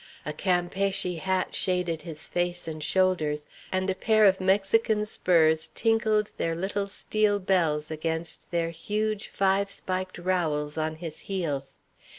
A Campeachy hat shaded his face and shoulders, and a pair of Mexican spurs tinkled their little steel bells against their huge five spiked rowels on his heels.